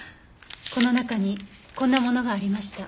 この中にこんなものがありました。